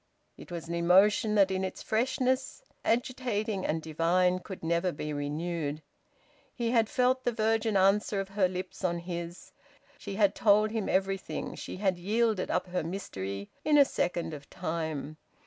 It was an emotion that in its freshness, agitating and divine, could never be renewed. He had felt the virgin answer of her lips on his. She had told him everything, she had yielded up her mystery, in a second of time.